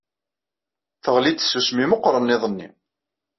Teɣli-d tsusmi meqqren iḍ-nni.